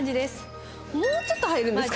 もうちょっと入るんですかね。